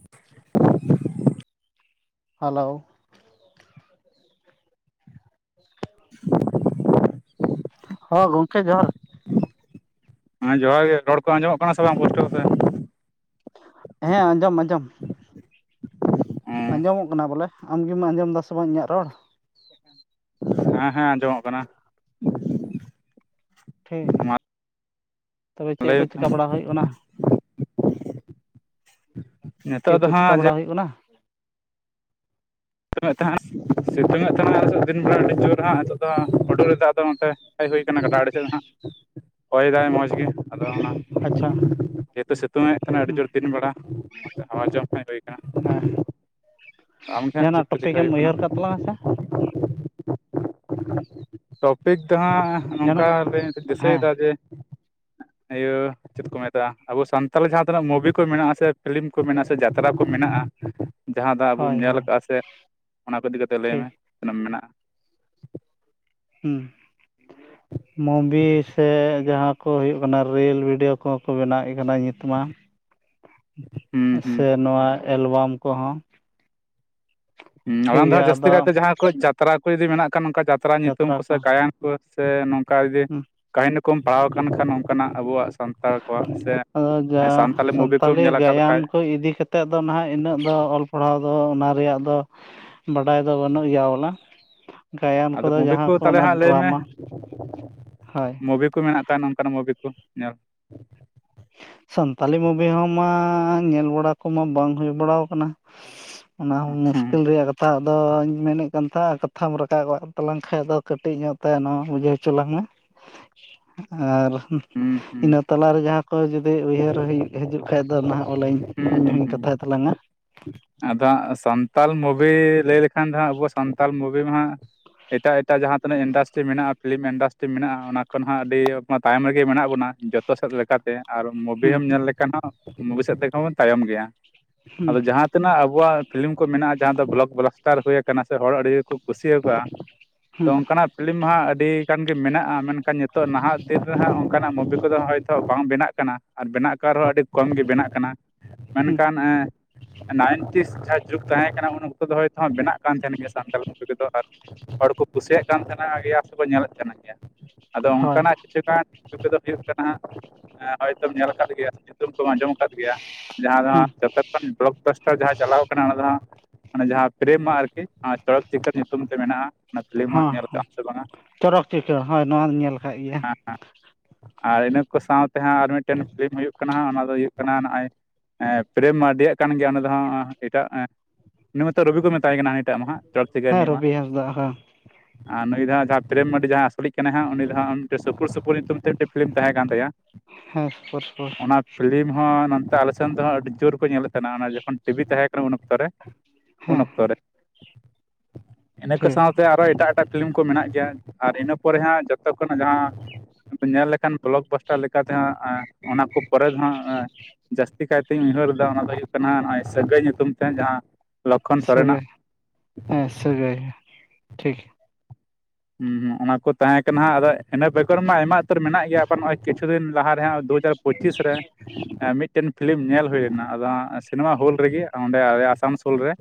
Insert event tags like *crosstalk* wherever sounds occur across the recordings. *unintelligible* Hello, *unintelligible* ᱦᱚᱸ ᱜᱚᱝᱠᱮ ᱡᱚᱦᱟᱨ। ᱦᱮᱸ ᱡᱚᱦᱟᱨ ᱜᱮ, ᱨᱚᱲ ᱠᱚ ᱟᱸᱡᱚᱢᱚᱜ ᱠᱟᱱᱟ ᱥᱮ ᱵᱟᱝ ᱯᱩᱥᱴᱟᱹᱣ ᱛᱮ? ᱦᱮᱸ ᱟᱸᱡᱚᱢ ᱟᱸᱡᱚᱢ। ᱦᱮᱸ ᱟᱸᱡᱚᱢᱚᱜ ᱠᱟᱱᱟ ᱵᱚᱞᱮ, ᱟᱢᱜᱮᱢ ᱟᱸᱡᱚᱢ ᱮᱫᱟ ᱥᱮ ᱵᱟᱝ ᱤᱧᱟᱹᱜ ᱨᱚᱲ? ᱦᱮᱸ ᱟᱸᱡᱚᱢᱚᱜ ᱠᱟᱱᱟ। ᱦᱮᱸ, ᱢᱟ ᱛᱚᱵᱮ ᱪᱮᱫ ᱞᱟᱹᱭ ᱠᱚ ᱢᱮ ᱛᱟᱢ᱾ ᱪᱤᱠᱟ ᱵᱟᱲᱟ ᱦᱩᱭᱩᱜ ᱠᱟᱱᱟ? ᱪᱮᱫ ᱱᱤᱛᱚᱜ ᱫᱚ ᱠᱚ ᱪᱮᱠᱟ ᱦᱟᱸᱜ ᱡᱮ ᱵᱟᱲᱟ ᱦᱩᱭᱩᱜ ᱠᱟᱱᱟ? ᱥᱤᱛᱩᱝ ᱮ ᱛᱟᱸᱦᱮ ᱥᱤᱛᱩᱝ ᱮ ᱛᱟᱦᱮᱸᱫ ᱱᱚᱜ ᱫᱤᱱ ᱵᱮᱲᱟ ᱟᱹᱰᱤ ᱡᱳᱨ ᱦᱟᱸᱜ, ᱱᱤᱛᱚᱜ ᱫᱚ ᱩᱰᱩᱨ ᱮ ᱫᱟᱜ ᱫᱟ ᱱᱚᱛᱮ। ᱦᱮᱡ ᱦᱩᱭ ᱠᱟᱱᱟ ᱜᱟᱰᱟ ᱟᱹᱲᱤ ᱥᱮᱫ ᱦᱟᱸᱜ ᱦᱚᱭᱫᱟᱭ ᱢᱚᱡᱽ ᱜᱮ ᱟᱫᱚ ᱚᱱᱟ ᱟᱪᱪᱷᱟ ᱡᱮᱦᱮᱛᱩ ᱥᱤᱛᱩᱝ ᱮᱫ ᱠᱟᱱᱟ ᱟᱹᱰᱤ ᱡᱳᱨ ᱫᱤᱱ ᱵᱮᱲᱟ, ᱦᱟᱣᱟ ᱡᱚᱢ ᱦᱮᱜ ᱦᱩᱭ ᱠᱟᱱᱟ। ᱦᱮᱸ ᱟᱢᱜᱮᱦᱟᱜ ᱪᱮᱫ ᱡᱟᱦᱟᱱᱟᱜ ᱴᱚᱯᱤᱠ ᱮᱢ ᱠᱟᱱᱟ ᱩᱭᱦᱟᱹᱨ ᱠᱟᱜ ᱛᱟᱞᱟᱝ ᱟ ᱥᱮ ᱴᱚᱯᱤᱠ ᱫᱚ ᱦᱟᱸᱜ ᱡᱟᱦᱟᱱᱟᱜ ᱚᱱᱠᱟ ᱵᱟᱧ ᱫᱤᱥᱟᱹᱭ ᱦᱮᱸ ᱫᱟ ᱡᱮ ᱤᱭᱟᱹ ᱪᱮᱫ ᱠᱚ ᱢᱮᱛᱟᱜᱼᱟ ᱟᱵᱚ ᱥᱟᱱᱛᱟᱞ ᱡᱟᱦᱟᱸ ᱛᱤᱱᱟᱹᱜ ᱢᱩᱵᱷᱤ ᱠᱚ ᱢᱮᱱᱟᱜᱼᱟ ᱥᱮ ᱯᱷᱤᱞᱤᱢ ᱠᱚ ᱢᱮᱱᱟᱜᱼᱟ ᱥᱮ ᱡᱟᱛᱨᱟ ᱠᱚ ᱢᱮᱱᱟᱜᱼᱟ ᱡᱟᱦᱟᱸ ᱫᱚ ᱟᱵᱚᱢ ᱦᱳᱭ ᱧᱮᱞ ᱦᱳᱭ ᱠᱟᱜᱼᱟ ᱥᱮ ᱚᱱᱟ ᱠᱚ ᱤᱫᱤ ᱠᱟᱛᱮ ᱴᱷᱤᱠ ᱞᱟᱹᱭᱢᱮ ᱛᱤᱱᱟᱹᱜ ᱢᱮᱱᱟᱜᱼᱟ ᱦᱩᱸ *inaudible* ᱢᱩᱵᱷᱤ ᱥᱮ ᱡᱟᱦᱟᱸ ᱠᱚ ᱦᱩᱭᱩᱜ ᱠᱟᱱᱟ ᱨᱤᱞ ᱵᱷᱤᱰᱭᱳ ᱠᱚᱦᱚᱸ ᱠᱚ ᱵᱮᱱᱟᱣᱮᱫ ᱠᱟᱱᱟ ᱱᱤᱛ ᱢᱟ᱾ ᱦᱩᱸ ᱦᱩᱸ ᱥᱮ ᱱᱚᱣᱟ ᱮᱞᱵᱟᱢ ᱠᱚᱦᱚᱸ ᱦᱩ ᱴᱷᱤᱠ ᱟᱞᱟᱝ ᱫᱚ ᱜᱮᱭᱟ ᱦᱟᱜ ᱡᱟᱹᱥᱛᱤ ᱟᱫᱚ ᱠᱟᱭᱛᱮ ᱡᱟᱦᱟᱸ ᱠᱚ ᱡᱟᱛᱨᱟ ᱠᱚ ᱡᱩᱫᱤ ᱢᱮᱱᱟᱜ ᱠᱷᱟᱱ ᱚᱱᱠᱟ ᱡᱟᱛᱨᱟ ᱧᱩᱛᱩᱢ ᱠᱚᱥᱮ ᱜᱟᱭᱟᱱ ᱠᱩ ᱥᱮ ᱱᱚᱝᱠᱟ ᱡᱩᱫᱤ ᱦᱮᱸ ᱠᱟᱹᱦᱱᱤ ᱠᱚᱢ ᱯᱟᱲᱦᱟᱣ ᱠᱟᱱ ᱠᱷᱟᱱ ᱱᱚᱝᱠᱟᱱᱟᱜ ᱟᱵᱚᱣᱟᱜ ᱥᱟᱱᱛᱟᱲ ᱠᱚᱣᱟᱜ ᱥᱮ ᱚ ᱡᱟ ᱢᱩᱵᱷᱤ ᱠᱚᱢ ᱥᱟᱱᱛᱟᱞᱤ ᱧᱮᱞ ᱟᱠᱟᱫ ᱜᱟᱭᱟᱱ ᱠᱷᱟᱡ ᱠᱚ ᱤᱫᱤ ᱠᱟᱛ ᱛᱮᱫ ᱫᱚ ᱱᱟᱦᱟᱜ ᱤᱱᱟᱹᱜ ᱫᱚ ᱚᱞ ᱯᱟᱲᱦᱟᱣ ᱫᱚ ᱚᱱᱟ ᱨᱮᱭᱟᱜ ᱫᱚ ᱵᱟᱰᱟᱭ ᱫᱚ ᱵᱟᱹᱱᱩᱜ ᱜᱮᱭᱟ ᱵᱚᱞᱮ ᱜᱟᱭᱟᱱ ᱟᱫᱚ ᱠᱚᱫᱚ ᱢᱩᱵᱷᱤ ᱠᱚ ᱡᱟᱦᱟᱸ ᱛᱟᱦᱚᱞᱮ ᱚᱱᱟ ᱦᱟᱸᱜ ᱞᱟᱹᱭ ᱢᱮ ᱰᱨᱟᱢᱟ ᱦᱳᱭ ᱢᱩᱵᱷᱤ ᱠᱚ ᱢᱮᱱᱟᱜ ᱠᱟᱱ ᱚᱱᱠᱟᱱ ᱢᱩᱵᱷᱤ ᱠᱚ ᱧᱮᱞ ᱥᱟᱱᱛᱟᱞᱤ ᱢᱩᱵᱷᱤ ᱦᱚᱸ ᱢᱟ ᱧᱮᱞ ᱵᱟᱲᱟ ᱠᱚᱢᱟ ᱵᱟᱝ ᱦᱩᱭ ᱵᱟᱲᱟᱣ ᱠᱟᱱᱟ ᱚᱱᱟ ᱦᱚᱸ ᱦᱩᱸ ᱢᱩᱥᱠᱤᱞ ᱨᱮᱭᱟᱜ ᱠᱟᱛ ᱛᱟᱫᱚᱧ ᱢᱮᱱᱮᱫ ᱠᱟᱱ ᱛᱟᱦᱮᱫ ᱠᱟᱛᱷᱟᱢ ᱨᱟᱠᱟᱵ ᱛᱟᱞᱟᱝ ᱠᱷᱟᱱ ᱫᱚ ᱠᱟᱹᱴᱤᱡ ᱧᱚᱜ ᱛᱟᱭ ᱱᱚᱣᱟ ᱵᱩᱡᱷᱟᱹᱣ ᱦᱚᱪᱚ ᱞᱟᱝ ᱢᱮ ᱟᱨ ᱦᱩᱸ ᱦᱩᱸ ᱤᱱᱟᱹ ᱛᱟᱞᱟᱨᱮ ᱡᱟᱦᱟᱸ ᱠᱚ ᱡᱩᱫᱤ ᱩᱭᱦᱟᱹᱨ ᱦᱩᱭᱩ ᱦᱤᱡᱩᱜ ᱠᱷᱟᱡ ᱫᱚ ᱚᱱᱟᱦᱚ ᱚᱞᱟ. ᱧ ᱦᱩᱸ ᱦᱩᱸ ᱤᱧᱦᱩᱧ ᱦᱩᱸ ᱠᱟᱛ ᱠᱟᱛᱷᱟᱭ ᱛᱟᱞᱟᱝ ᱟ ᱟᱫᱚ ᱦᱟᱸᱜ ᱥᱟᱱᱛᱟᱞ ᱢᱩᱵᱷᱤ ᱞᱟᱹᱭ ᱞᱮᱠᱷᱟᱱ ᱫᱚᱦᱟᱸᱜ ᱟᱵᱚ ᱥᱟᱱᱛᱟᱞ ᱢᱩᱵᱷᱤ ᱢᱟ ᱦᱟᱜ ᱮᱴᱟᱜ ᱮᱴᱟᱜ ᱡᱟᱦᱟᱸ ᱛᱤᱱᱟᱹᱜ ᱤᱱᱰᱟᱥᱴᱨᱤ ᱢᱮᱱᱟᱜᱼᱟ ᱯᱷᱤᱞᱤᱢ ᱤᱱᱰᱟᱥᱴᱨᱤ ᱢᱮᱱᱟᱜᱼᱟ ᱚᱱᱟ ᱠᱷᱚᱱᱦᱚ ᱟᱹᱰᱤ ᱛᱟᱭᱚᱢ ᱨᱮᱜᱮ ᱢᱮᱱᱟᱜ ᱵᱚᱱᱟ ᱡᱚᱛ ᱛᱚ ᱥᱮᱫ ᱞᱮᱠᱟ ᱛᱮ ᱟᱨ ᱢᱩᱵᱷᱤ ᱦᱩᱸ ᱦᱚᱸᱢ ᱧᱮᱞ ᱞᱮᱠᱷᱟᱱ ᱦᱚᱸ ᱢᱩᱵᱷᱤ ᱥᱮᱫ ᱛᱮᱦᱚ ᱛᱟᱭᱚᱢ ᱜᱮᱭᱟ ᱦᱩᱸ ᱟᱫᱚ ᱡᱟᱦᱟ ᱛᱤᱱᱟ. ᱜ ᱟᱵᱚᱣᱟᱜ ᱯᱷᱤᱞᱤᱢ ᱠᱚ ᱢᱮᱱᱟᱜᱼᱟ ᱡᱟᱦᱟᱸ ᱫᱚ ᱵᱞᱚᱠ ᱵᱞᱚᱠ ᱵᱞᱟᱥᱴᱟᱨ ᱦᱩᱭᱠᱟᱱᱟ ᱥᱮ ᱦᱚᱲ ᱟᱹᱰᱤᱠᱚ ᱠᱩᱥᱤᱣ ᱠᱟᱜᱼᱟ ᱛᱚ ᱦᱩᱸ ᱚᱱᱠᱟᱱᱟᱜ ᱯᱷᱤᱞᱤᱢ ᱢᱟᱦᱟᱸᱜ ᱟᱹᱰᱤ ᱜᱟᱱ ᱜᱮ ᱢᱮᱱᱟᱜᱼᱟ ᱢᱮᱱᱠᱷᱟᱱ ᱱᱤᱛᱚᱜ ᱱᱟᱦᱟᱜ ᱫᱤᱱ ᱨᱮᱦᱟᱸᱜ ᱚᱱᱠᱟᱱᱟᱜ ᱢᱩᱵᱷᱤ ᱠᱚᱫᱚ ᱦᱚᱭᱛᱚ ᱵᱟᱝ ᱵᱮᱱᱟᱜ ᱠᱟᱱᱟ ᱟᱨ ᱵᱮᱱᱟᱜ ᱠᱟᱱ ᱨᱮᱦᱚᱸ ᱟᱹᱰᱤ ᱠᱚᱢ ᱜᱮ ᱵᱮᱱᱟᱜ ᱠᱟᱱᱟ ᱦᱩᱸ ᱢᱮᱱᱠᱷᱟᱱ ᱱᱟᱭᱤᱱᱴᱤᱥ ᱡᱟᱦᱟᱸ ᱡᱩᱜᱽ ᱛᱟᱦᱮᱸᱠᱟᱱᱟ ᱩᱱ ᱚᱠᱛᱚ ᱫᱚ ᱦᱚᱭᱛ ᱵᱮᱱᱟᱜ ᱠᱟᱱ ᱛᱟᱦᱮᱱ ᱜᱮᱭᱟ ᱥᱟᱱᱛᱟᱞ ᱢᱩᱵᱷᱤ ᱠᱚᱫᱚ ᱟᱨ ᱦᱚᱲᱠᱚ ᱠᱩᱥᱤᱭᱟᱜ ᱠᱟᱱ ᱛᱟᱦᱮᱱᱟ ᱜᱮᱭᱟ ᱥᱮᱠᱚ ᱧᱮᱞᱮᱫ ᱠᱟᱱ ᱜᱮᱭᱟ ᱟᱫᱚ ᱦᱳᱭ ᱚᱱᱠᱟᱱᱟᱜ ᱠᱤᱪᱷᱩᱜᱟᱱ ᱢᱩᱵᱦᱤ ᱠᱚᱫᱚ ᱦᱩᱭᱩᱜ ᱠᱟᱱᱟ ᱦᱟᱜ ᱦᱚᱭᱛᱚᱢ ᱧᱮᱞ ᱟᱠᱟᱫ ᱜᱮᱭᱟ ᱧᱩᱛᱩᱢ ᱠᱚᱢ ᱟᱸᱡᱚᱢ ᱟᱠᱟᱫ ᱜᱮᱭᱟ ᱡᱟᱦᱟᱸ ᱫᱚ ᱦᱩᱸ ᱦᱟᱸᱜ ᱡᱚᱛᱚ ᱠᱷᱚᱱ ᱵᱞᱚᱠ ᱵᱟᱥᱴᱟᱨ ᱡᱟᱦᱟᱸ ᱪᱟᱞᱟᱣ ᱠᱟᱱᱟ ᱚᱱᱟ ᱫᱚ ᱦᱟᱸᱜ ᱢᱟᱱᱮ ᱡᱟᱦᱟᱸ ᱯᱨᱮᱢ ᱢᱟᱜ ᱟᱨᱠᱤ ᱪᱚᱲᱚᱠ ᱪᱤᱠᱟᱹᱲ ᱧᱩᱛᱩᱢ ᱛᱮ ᱢᱮᱱᱟᱜᱼᱟ ᱚᱱᱟ ᱯᱷᱤᱞᱤᱢ ᱦᱟᱜ ᱦᱚᱸ ᱧᱮᱞ ᱦᱚᱸ ᱠᱟᱜᱼᱟᱢ ᱥᱮ ᱵᱟᱝ ᱟ ᱪᱚᱨᱚᱠ ᱪᱤᱠᱟᱹᱨ ᱦᱮ ᱦᱳᱭ ᱱᱚᱣᱟ ᱧᱮᱞ ᱠᱟᱫ ᱜᱮᱭᱟ ᱦᱮᱸ ᱦᱮᱸ ᱟᱨ ᱤᱱᱟᱹ ᱠᱚ ᱥᱟᱶᱛᱮ ᱦᱟᱸᱜ ᱟᱨ ᱢᱤᱫᱴᱮᱱ ᱯᱷᱤᱞᱤᱢ ᱦᱩᱭᱩᱜ ᱠᱟᱱᱟ ᱦᱟᱸᱜ ᱚᱱᱟ ᱫᱚ ᱦᱩᱭᱩᱜ ᱠᱟᱱᱟ ᱱᱚᱜᱼᱚᱭ ᱮᱜ ᱯᱨᱮᱢ ᱢᱟᱨᱰᱤ ᱭᱟᱜ ᱠᱟᱱ ᱜᱮᱭᱟ ᱚᱱᱟ ᱫᱚ ᱦᱟᱜ ᱮᱴᱟᱜ ᱩᱱᱤ ᱢᱚᱛᱚ ᱨᱚᱵᱤ ᱠᱚ ᱢᱮᱛᱟᱭ ᱠᱟᱱᱟ ᱱᱤᱛ ᱩᱱᱤᱴᱟᱜ ᱢᱟ ᱦᱟᱸᱜ ᱪᱚᱨᱚᱠ ᱪᱤᱠᱟᱹᱨ ᱦᱮᱸ ᱨᱤᱱᱤᱡ ᱢᱟ ᱨᱚᱵᱤ ᱦᱟᱸᱥᱫᱟ ᱦᱮᱸ ᱟᱨ ᱱᱩᱭ ᱫᱚ ᱦᱟᱸᱜ ᱡᱟᱸᱦᱟ ᱯᱨᱮᱢ ᱢᱟᱱᱰᱤ ᱡᱟᱦᱟᱸᱭ ᱟᱥᱚᱞᱤᱡ ᱠᱟᱱᱟᱭ ᱦᱟᱜ ᱩᱱᱤ ᱫᱚ ᱦᱟᱜ ᱢᱤᱫᱴᱮᱱ ᱥᱩᱯᱩᱨ ᱥᱩᱯᱩᱨ ᱧᱩᱛᱩᱢ ᱛᱮ ᱢᱤᱫᱴᱮᱱ ᱯᱷᱤᱞᱤᱢ ᱛᱟᱦᱮᱸ ᱠᱟᱱ ᱛᱟᱭᱟ ᱦᱮᱸ ᱥᱩᱯᱩᱨ ᱥᱩᱯᱩᱨ ᱚᱱᱟ ᱯᱷᱤᱞᱤᱢ ᱦᱚᱸ ᱱᱚᱛᱮ ᱟᱞᱮ ᱥᱮᱱ ᱫᱚ ᱟᱹᱰᱤ ᱡᱳᱨ ᱠᱚ ᱧᱮᱞᱮᱫ ᱛᱟᱦᱮᱱᱟ ᱚᱱᱟ ᱡᱚᱠᱷᱚᱱ ᱴᱤᱵᱷᱤ ᱛᱟᱦᱮᱸ ᱠᱟᱱᱟ ᱩᱱ ᱚᱠᱛᱚ ᱨᱮ ᱩᱱ ᱦᱮᱸ ᱚᱠᱛᱚ ᱨᱮ ᱤᱱᱟᱹ ᱠᱚ ᱴᱷᱤᱠ ᱥᱟᱶᱛᱮ ᱟᱨᱚ ᱮᱴᱟᱜ ᱮᱴᱟᱜ ᱯᱷᱤᱞᱤᱢ ᱠᱚ ᱢᱮᱱᱟᱜ ᱜᱮᱭᱟ ᱟᱨ ᱤᱱᱟᱹ ᱯᱚᱨᱮ ᱦᱟᱸᱜ ᱡᱚᱛᱚ ᱠᱷᱚᱱᱟᱜ ᱡᱟᱦᱟᱸ ᱧᱮᱞ ᱞᱮᱠᱷᱟᱱ ᱵᱞᱚᱠ ᱵᱟᱥᱴᱟᱨ ᱞᱮᱠᱟ ᱛᱮ ᱦᱟᱜ ᱚᱱᱟ ᱠᱚ ᱯᱚᱨᱮ ᱫᱚ ᱦᱟᱸᱜ ᱡᱟᱹᱥᱛᱤ ᱠᱟᱭᱛᱤᱧ ᱩᱭᱦᱟᱹᱨ ᱫᱟ ᱚᱱᱟ ᱫᱚ ᱦᱩᱭᱩᱜ ᱠᱟᱱᱟ ᱱᱚᱜᱼᱚᱭ ᱥᱟᱹᱜᱟᱹᱭ ᱧᱩᱛᱩᱢ ᱛᱮ ᱡᱟᱦᱟᱸ ᱞᱚᱠᱠᱷᱚᱱ ᱥᱚᱨᱮᱱᱟᱜ ᱥᱟᱹᱜᱟᱹᱭ ᱦᱮᱸ ᱥᱟᱹᱜᱟᱹᱭ ᱴᱷᱤᱠ ᱦᱩᱸ ᱦᱩᱸ ᱚᱱᱟ ᱠᱚ ᱛᱟᱦᱮᱸ ᱠᱟᱱᱟ ᱟᱫᱚ ᱤᱱᱟᱹ ᱵᱮᱜᱚᱨ ᱢᱟ ᱟᱭᱢᱟ ᱩᱛᱟᱹᱨ ᱢᱮᱱᱟᱜ ᱜᱮᱭᱟ ᱟᱵᱚ ᱱᱚᱜᱚᱭ ᱠᱤᱪᱷᱩ ᱫᱤᱱᱼᱼ ᱞᱟᱦᱟ ᱨᱮ ᱦᱟᱜ ᱫᱩ ᱦᱟᱡᱟᱨ ᱯᱚᱸᱪᱤᱥ ᱨᱮ, ᱢᱤᱫᱴᱮᱱ ᱯᱷᱤᱞᱤᱢ ᱧᱮᱞ ᱦᱩᱭ ᱞᱮᱱᱟ ᱟᱫᱚ ᱥᱤᱱᱮᱢᱟ ᱦᱚᱞ ᱨᱮᱜᱮ ᱚᱸᱰᱮ ᱟᱥᱟᱱᱥᱳᱞ ᱨᱮᱼᱼ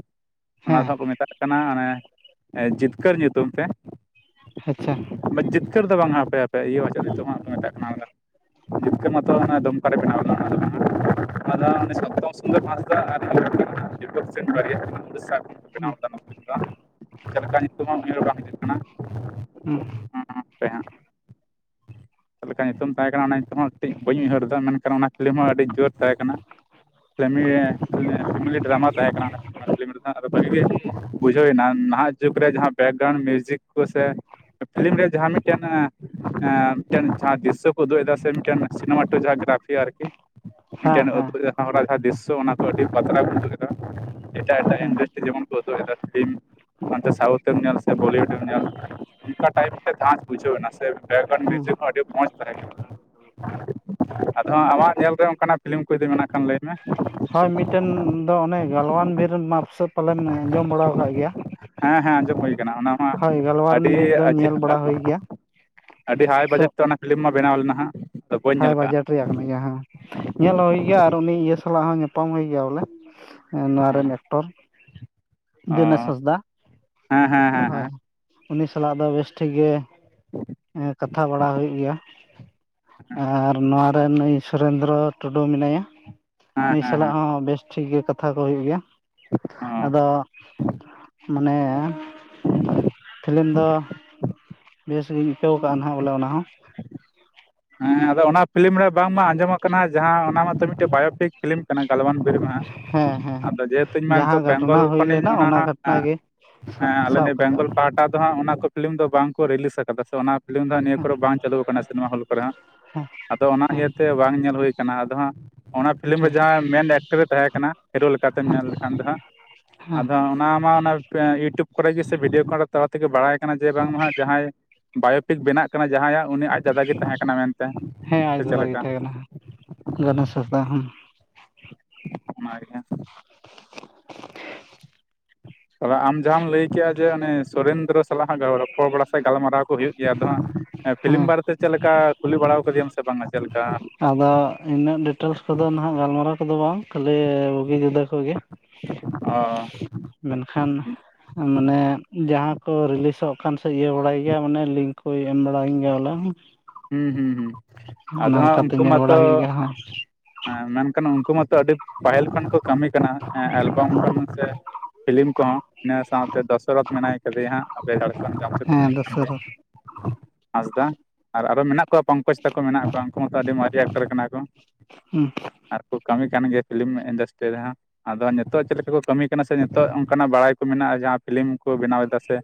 ᱚᱱᱟ ᱫᱚ ᱦᱮᱸ ᱠᱚ ᱢᱮᱛᱟᱜ ᱠᱟᱱᱟ ᱚᱱᱮ ᱡᱤᱛᱠᱟᱹᱨ ᱧᱩᱛᱩᱢ ᱛᱮᱼᱼ ᱟᱪᱪᱷᱟ ᱡᱤᱛᱠᱟᱹᱨ ᱫᱚ ᱵᱟᱝ ᱦᱟᱯᱮ ᱦᱟᱯᱮ ᱤᱭᱟᱹ ᱢᱟᱪᱷᱟ ᱱᱤᱛᱚᱜ ᱦᱟᱸᱜ ᱢᱮᱛᱟᱜ ᱠᱟᱱᱟ᱾ ᱡᱤᱛᱠᱟᱹ ᱢᱟᱛᱚ ᱚᱱᱟ ᱫᱚᱢᱠᱟ ᱨᱮ ᱵᱮᱱᱟᱣᱫᱟ ᱚᱱᱟ ᱫᱚ ᱦᱟᱸᱜ *unintelligible* ᱚᱱᱟ ᱫᱚ *unintelligible* ᱥᱩᱸᱫᱚᱨ ᱢᱟᱦᱟᱥᱚᱭ ᱾ *unintelligible* ᱵᱮᱱᱟᱣ ᱦᱩᱸ ᱜᱚᱱᱚᱜ ᱠᱟᱱᱟ ᱪᱮᱫᱞᱮᱠᱟ ᱧᱩᱛᱩᱢ ᱦᱚᱸ *unintelligible* ᱵᱟᱝ ᱦᱤᱡᱩᱜ ᱠᱟᱱᱟ᱾ ᱦᱩᱸ ᱦᱟᱯᱮ ᱦᱟᱜ ᱪᱮᱫ ᱞᱮᱠᱟ ᱧᱩᱛᱩᱢ ᱛᱟᱦᱮᱸ ᱠᱟᱱᱟᱼᱼ ᱦᱚᱸ ᱠᱟᱹᱴᱤᱡ ᱵᱟᱹᱧ ᱩᱭᱦᱟᱹᱨᱫᱟ ᱢᱮᱱᱠᱷᱟᱱ ᱚᱱᱟ ᱯᱷᱤᱞᱤᱢ ᱦᱚᱸ ᱟᱹᱰᱤ ᱡᱳᱨ ᱛᱟᱦᱮᱸ ᱠᱟᱱᱟ᱾ ᱯᱷᱮᱢᱤ ᱯᱷᱮᱢᱞᱤ ᱰᱨᱟᱢᱟ ᱛᱟᱦᱮᱸᱠᱟᱱᱟ ᱚᱱᱟ᱾ *unintelligible* ᱵᱷᱟᱹᱜᱤ ᱜᱮ ᱵᱩᱡᱷᱟᱹᱣᱱᱟ ᱱᱟᱦᱟᱜᱼᱼ ᱡᱩᱜᱽ ᱨᱮ ᱡᱟᱦᱟᱸ ᱵᱮᱠ ᱜᱨᱟᱣᱩᱱᱰ ᱢᱤᱭᱩᱡᱤᱠ ᱠᱚ ᱥᱮ ᱯᱷᱤᱞᱤᱢ ᱨᱮ ᱡᱟᱦᱟᱸ ᱢᱤᱫᱴᱮᱱ ᱮᱸ ᱢᱤᱫᱴᱮᱱ ᱡᱟᱦᱟᱸ ᱫᱤᱥᱟᱹᱼᱼ ᱩᱫᱩᱜ ᱮᱫᱟ ᱥᱮ ᱢᱤᱫᱴᱮᱱ ᱥᱤᱱᱮᱢᱟ ᱴᱩ ᱡᱟᱦᱟᱸ ᱜᱨᱟᱯᱷᱤ ᱟᱨᱠᱤ ᱦᱮᱸ ᱢᱤᱫᱴᱮᱱ ᱦᱮᱸ ᱩᱫᱩᱜ ᱮᱫᱟᱼᱼ ᱦᱚᱲᱟᱜ ᱡᱟᱦᱟᱸ ᱫᱨᱤᱥᱥᱚ ᱚᱱᱟ ᱠᱚ ᱟᱹᱰᱤ ᱵᱟᱛᱨᱟ ᱵᱩᱡᱟᱹ ᱮᱟ ᱮᱴᱟᱜ ᱮᱴᱟᱜ ᱦᱩᱸ ᱮᱱᱰᱟᱥᱴᱼᱼ ᱡᱮᱢᱚᱱ ᱠᱚ ᱩᱫᱩᱜ ᱫᱟ ᱯᱷᱤᱞᱢ, ᱚᱱᱛᱮ ᱥᱟᱣᱩᱛᱷ ᱮᱢ ᱧᱮᱞ ᱥᱮ ᱵᱚᱞᱤᱣᱩᱰ᱾ *unintelligible* ᱚᱱᱠᱟ ᱴᱟᱭᱤᱵ ᱛᱮ *unintelligible* ᱵᱩᱡᱷᱟᱹᱣ ᱱᱟ ᱥᱮ᱾ ᱦᱩᱸ *unintelligible* ᱟᱰᱤ ᱢᱚᱸᱪ ᱫᱷᱟᱨᱟ ᱜᱮ *unintelligible* ᱟᱫᱚ ᱟᱢᱟᱜ ᱧᱮᱞᱨᱮ ᱚᱱᱠᱟᱱᱟᱜ ᱯᱷᱤᱞᱤᱢ ᱠᱚ ᱡᱩᱫᱤ ᱢᱮᱱᱟᱜ ᱠᱷᱟᱱ ᱞᱟᱹᱭ ᱢᱮ? ᱯᱟᱞᱣᱟᱱ ᱵᱤᱨ ᱢᱟᱯ ᱥᱮᱫ ᱯᱟᱞᱮᱢ ᱟᱸᱡᱚᱢ ᱵᱟᱲᱟ ᱟᱠᱟᱫ ᱜᱮᱭᱟ᱾ ᱦᱮᱸ ᱦᱮᱸ ᱟᱸᱡᱚᱢ ᱦᱩᱭ ᱠᱟᱱᱟ ᱚᱱᱟ ᱢᱟ ᱦᱳᱭ ᱜᱟᱞᱣᱟᱨ ᱟᱹᱰᱤ ᱵᱤᱨ ᱫᱚ ᱧᱮᱞ ᱵᱟᱲᱟ ᱦᱩᱭ ᱜᱮᱭᱟ ᱟᱹᱰᱤ ᱦᱟᱭ ᱥᱮ ᱵᱟᱡᱮᱴ ᱛᱮ ᱚᱱᱟ ᱯᱷᱤᱞᱤᱢ ᱢᱟ ᱵᱮᱱᱟᱣ ᱞᱮᱱᱟ ᱦᱟᱜ᱾ ᱦᱟᱭ ᱵᱟᱡᱮᱴ ᱨᱮᱭᱟᱜ ᱠᱟᱱᱟ ᱜᱮᱭᱟ ᱦᱮᱸ ᱧᱮᱞ ᱦᱩᱭ ᱜᱮᱭᱟ ᱟᱨ ᱩᱱᱤ ᱤᱭᱟᱹ ᱥᱟᱞᱟᱜ ᱦᱚᱸ ᱧᱟᱯᱟᱢ ᱦᱩᱭ ᱜᱮᱭᱟ ᱵᱚᱞᱮᱼᱼ ᱱᱚᱣᱟ ᱨᱮᱱ ᱮᱠᱴᱚᱨ ᱚ ᱫᱤᱱᱮᱥᱦᱟᱸᱥ ᱫᱟ ᱦᱮᱸ ᱦᱮᱸ ᱦᱮᱸ ᱦᱮᱸ ᱩᱱᱤ ᱥᱟᱞᱟᱜ ᱫᱚ ᱵᱮᱥ ᱴᱷᱤᱠ ᱜᱮᱼᱼ ᱠᱟᱛᱷᱟ ᱵᱟᱲᱟ ᱦᱩᱭᱩᱜ ᱜᱮᱭᱟ ᱟᱨ ᱱᱚᱣᱟ ᱨᱮᱱᱼᱼ ᱥᱩᱨᱮᱱᱫᱨᱚ ᱴᱩᱰᱩ ᱢᱮᱱᱟᱭᱟ ᱦᱮᱸ ᱱᱩᱭ ᱦᱮᱸ ᱥᱟᱞᱟᱜ ᱦᱮᱸ ᱦᱚᱸ ᱵᱮᱥ ᱴᱷᱤᱠ ᱜᱮ ᱠᱟᱛᱷᱟ ᱠᱚ ᱦᱩᱭᱩᱜ ᱜᱮᱭᱟ ᱚ ᱟᱫᱚ ᱢᱟᱱᱮᱼᱼ ᱯᱷᱤᱞᱤᱢ ᱫᱚᱼᱼ ᱵᱮᱥᱜᱤᱧ ᱟᱹᱭᱠᱟᱹᱣ ᱟᱠᱟᱫᱼᱟ ᱱᱟᱦᱟᱜ ᱵᱚᱞᱮ ᱚᱱᱟ ᱦᱚᱸ ᱦᱮᱸ ᱟᱫᱚ ᱚᱱᱟ ᱯᱷᱤᱞᱤᱢ ᱨᱮ ᱵᱟᱝᱢᱟ ᱟᱸᱡᱚᱢ ᱠᱟᱱᱟ ᱡᱟᱦᱟᱸ ᱚᱱᱟ ᱢᱟᱛᱚ ᱢᱤᱫᱴᱮᱱ ᱵᱟᱭᱳᱴᱤᱠᱼᱼ ᱯᱷᱤᱞᱤᱢ ᱠᱟᱱᱟ ᱜᱟᱞᱣᱟᱱ ᱵᱤᱨᱢ ᱦᱮᱸ ᱦᱮᱸ ᱟᱫᱚ ᱡᱮᱦᱮᱛᱩ ᱤᱧ ᱢᱟ ᱡᱟᱦᱟᱸ ᱱᱤᱛᱚᱜ ᱵᱮᱝᱜᱚᱞ ᱜᱷᱚᱴᱚᱱᱟ ᱦᱩᱭ ᱠᱷᱚᱱᱤᱧ ᱞᱮᱱᱟ ᱚᱱᱟᱼᱼ ᱚᱱᱟ ᱜᱷᱚᱴᱚᱱᱟ ᱜᱮ ᱥᱟᱵ ᱦᱮᱸ ᱟᱞᱮ ᱥᱟᱵ ᱱᱤᱭᱟᱹ ᱠᱟᱛᱮᱫ ᱵᱮᱝᱜᱚᱞ ᱯᱟᱦᱟᱴᱟᱼᱼ ᱦᱟᱸᱜ ᱚᱱᱟ ᱠᱚ ᱯᱷᱤᱞᱤᱢ ᱫᱚ ᱵᱟᱝ ᱠᱚ ᱨᱤᱞᱤᱡ ᱟᱠᱟᱫᱟ ᱥᱮ ᱚᱱᱟ ᱯᱷᱤᱞᱤᱢ ᱫᱚ ᱦᱜ ᱱᱤᱭᱟᱹ ᱠᱚᱨᱮ ᱵᱟᱝ ᱪᱟᱹᱞᱩ ᱟᱠᱟᱱᱟ ᱥᱤᱱᱮᱢᱟ ᱦᱚᱞ ᱠᱚᱼᱼ ᱠᱚᱨᱮ ᱟᱫᱚ ᱚᱱᱟ ᱦᱮᱸ ᱤᱭᱟᱹᱛᱮ ᱵᱟᱝ ᱧᱮᱞ ᱦᱩᱭ ᱠᱟᱱᱟ ᱟᱫᱚ ᱦᱟᱸᱜᱼᱼ ᱚᱱᱟ ᱯᱷᱤᱞᱤᱢ ᱨᱮ ᱴᱷᱤᱠ ᱡᱟᱦᱟᱸ ᱢᱮᱱ ᱮᱠᱴᱟᱨᱮ ᱛᱟᱦᱮᱸ ᱠᱟᱱᱟ ᱦᱤᱨᱳ ᱞᱮᱠᱟᱛᱮ ᱢᱮᱱ ᱞᱮᱠᱷᱟᱱ ᱫᱚ ᱦᱟᱸᱜᱼᱼ ᱦᱮᱸ ᱟᱫᱚ ᱚᱱᱟ ᱢᱟ ᱚᱱᱟ ᱤᱭᱩᱴᱩᱵᱽ ᱠᱚᱨᱮ ᱜᱮ ᱥᱮ ᱵᱷᱤᱰᱤᱭᱳ ᱠᱚᱨᱮ ᱛᱟᱞᱟ ᱛᱮᱜᱮ ᱵᱟᱲᱟᱭ ᱠᱟᱱᱟ ᱡᱮ ᱵᱟᱝᱢᱟ ᱡᱟᱦᱟᱸᱭ ᱵᱟᱭᱳᱼᱼ ᱴᱷᱤᱠ ᱵᱮᱱᱟᱜ ᱠᱟᱱᱟ ᱡᱟᱦᱟᱸᱭᱟᱜ ᱩᱱᱤ ᱟᱡᱟᱫ ᱜᱮ ᱛᱟᱦᱮᱸ ᱠᱟᱱᱟ ᱢᱮᱱᱛᱮ ᱦᱮᱸ ᱟᱡ ᱥᱮ ᱪᱮᱫ ᱫᱟᱫᱟ ᱜᱮ ᱞᱮᱠᱟ? ᱛᱟᱦᱮᱸ ᱜᱚᱱᱮᱥ ᱦᱟᱸᱥᱫᱟ ᱦᱚᱸᱼᱼ ᱚᱱᱟ ᱜᱮ ᱛᱟᱦᱮ ᱟᱢ ᱡᱟᱦᱟᱸᱟᱢ ᱞᱟᱹᱭ ᱠᱮᱫᱮᱜᱼᱟ ᱡᱮ ᱚᱱᱤ ᱥᱩᱨᱮᱱᱫᱨᱚᱼᱼ ᱥᱟᱞᱟᱜ ᱨᱚᱯᱚᱲ ᱵᱟᱲᱟ ᱥᱮ ᱜᱟᱞᱢᱟᱨᱟᱣ ᱠᱚ ᱦᱩᱭᱩᱜ ᱜᱮᱭᱟ ᱟᱫᱚ ᱦᱟᱸᱜ ᱯᱷᱤᱞᱤᱢ ᱦᱮᱸ ᱵᱟᱨᱮᱼᱼ ᱪᱮᱫ ᱞᱮᱠᱟ ᱠᱩᱞᱤ ᱵᱟᱲᱟ ᱟᱠᱟᱫᱮᱟᱢ ᱥᱮ ᱵᱟᱝᱟ ᱪᱮᱫ ᱞᱮᱠᱟ? ᱟᱫᱚ ᱤᱱᱟᱹᱜ ᱰᱤᱴᱮᱞᱥ ᱠᱚᱫᱚ ᱱᱟᱦᱟᱜ ᱜᱟᱞᱢᱟᱨᱟᱣ ᱠᱚᱫᱚ ᱵᱟᱝ ᱠᱷᱟᱹᱞᱤ ᱵᱩᱜᱤ ᱡᱩᱫᱟᱹ ᱠᱷᱜᱮᱼᱼ ᱚ ᱢᱮᱱ ᱠᱷᱟᱱ ᱢᱟᱱᱮ ᱡᱟᱦᱟᱸ ᱠᱚ ᱨᱤᱞᱤᱥᱚᱜ ᱠᱟᱱ ᱥᱮ ᱤᱭᱟᱹ ᱵᱟᱲᱟᱭ ᱜᱮᱭᱟ ᱢᱟᱱᱮ ᱞᱤᱝᱠ ᱠᱚᱭ ᱮᱢ ᱵᱟᱲᱟᱭᱤᱧ ᱜᱮᱭᱟ ᱵᱚᱞᱮᱼᱼ ᱦᱩᱸ ᱦᱩᱸ ᱦᱩᱸ ᱟᱫᱚ ᱦᱟᱸᱜ ᱞᱮᱠᱟᱛᱮ ᱩᱱᱠᱩ ᱧᱮᱞ ᱵᱟᱲᱟ ᱢᱟᱛᱚᱼᱼ ᱦᱩᱭᱩᱜ ᱜᱮᱭᱟ ᱢᱮᱱᱠᱷᱟᱱ ᱩᱱᱠᱩ ᱢᱟᱛᱚ ᱟᱹᱰᱤ ᱯᱟᱹᱦᱤᱞ ᱠᱷᱚᱱ ᱠᱚ ᱠᱟᱹᱢᱤ ᱠᱟᱱᱟ ᱮᱞᱵᱟᱢ ᱦᱮᱸ ᱠᱷᱚᱱ ᱥᱮᱼᱼ ᱯᱷᱤᱞᱤᱢ ᱠᱚᱦᱚᱸ ᱤᱱᱟᱹ ᱥᱟᱶᱛᱮ ᱫᱚᱥᱚᱨᱚᱛᱷ ᱢᱮᱱᱟᱭ ᱠᱟᱫᱮᱭᱟ ᱦᱟᱸᱜ ᱟᱯᱮ ᱡᱷᱟᱲᱠᱷᱚᱸᱰ ᱡᱟᱢᱥᱮᱰ ᱦᱮᱸ ᱨᱮᱱ ᱫᱚᱥᱟᱨ ᱜᱮᱭᱟᱭ᱾ ᱦᱟᱸᱥᱫᱟ ᱟᱨ ᱟᱨ ᱢᱮᱱᱟᱜ ᱠᱚᱣᱟ ᱯᱚᱝᱠᱚᱡᱽ ᱛᱟᱠᱚ ᱢᱮᱱᱟᱜ ᱠᱚᱣᱟ ᱩᱱᱠᱩ ᱢᱟᱛᱚ ᱟᱹᱰᱤ ᱢᱟᱨᱮ ᱮᱠᱴᱚᱨ ᱠᱟᱱᱟ ᱠᱚ᱾ ᱦᱩᱸ ᱟᱨᱠᱚ ᱠᱟᱹᱢᱤ ᱠᱟᱱ ᱜᱮᱭᱟ ᱯᱷᱤᱞᱤᱢ ᱤᱱᱰᱟᱥᱴᱨᱤ ᱨᱮᱦᱚᱸ? ᱟᱫᱚ ᱱᱤᱛᱚᱜ ᱪᱮᱫ ᱞᱮᱠᱟ ᱠᱚ ᱠᱟᱹᱢᱤ ᱠᱟᱱᱟ ᱥᱮ ᱱᱤᱛᱚᱜ ᱚᱱᱠᱟᱱᱟᱜ ᱵᱟᱲᱟᱭ ᱠᱚ ᱢᱮᱱᱟᱜᱼᱟ ᱡᱟᱦᱟᱸ ᱯᱷᱤᱞᱤᱢ ᱠᱚ ᱵᱮᱱᱟᱣ ᱮ ᱪᱮᱫᱟᱜ ᱥᱮ